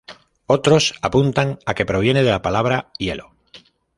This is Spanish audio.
Otros apuntan a que proviene de la palabra "hielo".